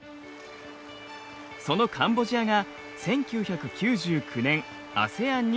そのカンボジアが１９９９年ＡＳＥＡＮに加盟。